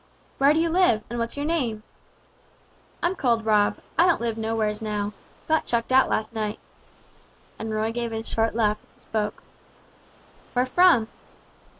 "Where do you live? And what's your name?" "I'm called Rob. I don't live nowheres now. Got chucked out last night!" And Rob gave a short laugh as he spoke. "Where from?"